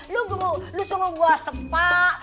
lo suruh gue sepak